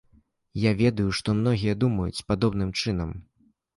Я ведаю, што многія думаюць падобным чынам.